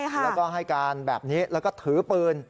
แล้วก็ให้การแบบนี้แล้วก็ถือปืน